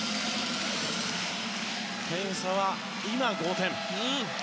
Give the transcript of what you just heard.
点差は今、５点。